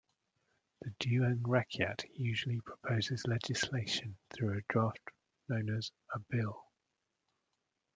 The "Dewan Rakyat" usually proposes legislation through a draft known as a 'bill'.